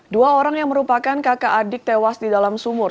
dua orang yang merupakan kakak adik tewas di dalam sumur